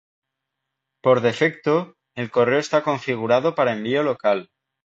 Por defecto, el correo está configurado para envío local